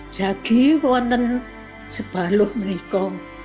jadi saya sebaluh menikah